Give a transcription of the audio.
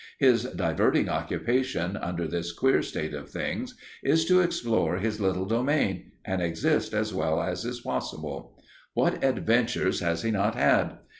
His diverting occupation, under this queer state of things, is to explore his little domain, and exist as well as is possible. What adventures has he not had!